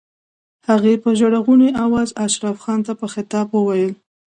هغې په ژړغوني آواز اشرف خان ته په خطاب وويل.